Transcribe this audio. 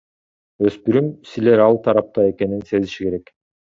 Өспүрүм силер ал тарапта экенин сезиши керек.